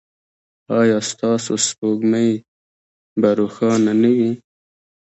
ایا ستاسو سپوږمۍ به روښانه نه وي؟